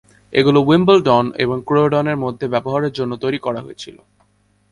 এগুলো উইম্বলডন ও ক্রোয়ডনের মধ্যে ব্যবহারের জন্য তৈরি করা হয়েছিল।